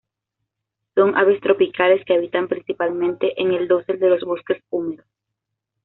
Son aves tropicales que habitan principalmente en el dosel de los bosques húmedos.